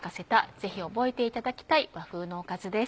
ぜひ覚えていただきたい和風のおかずです。